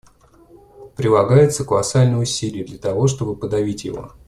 Прилагаются колоссальные усилия, для того чтобы подавить его.